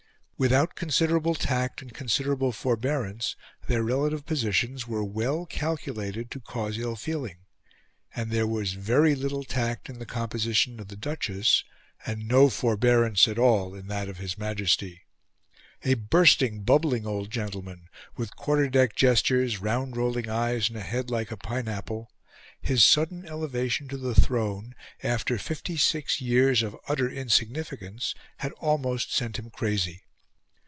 Without considerable tact and considerable forbearance their relative positions were well calculated to cause ill feeling; and there was very little tact in the composition of the Duchess, and no forbearance at all in that of his Majesty. A bursting, bubbling old gentleman, with quarterdeck gestures, round rolling eyes, and a head like a pineapple, his sudden elevation to the throne after fifty six years of utter insignificance had almost sent him crazy.